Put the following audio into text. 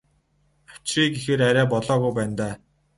Авчиръя гэхээр арай болоогүй байна даа.